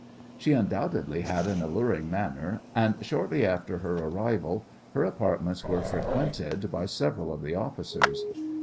She undoubtedly had an alluring manner, and shortly after her arrival her apartments were frequented by several of the officers.